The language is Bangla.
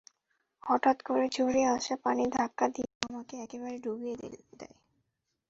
হঠাৎ করে জোরে আসা পানি ধাক্কা দিয়ে আমাকে একেবারে ডুবিয়ে দেয়।